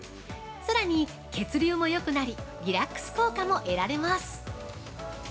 さらに血流もよくなりリラックス効果も得られます。